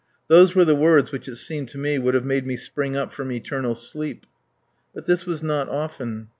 Those were the words which it seemed to me would have made me spring up from eternal sleep. But this was not often.